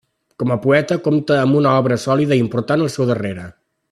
Com a poeta compta amb una obra sòlida i important al seu darrere.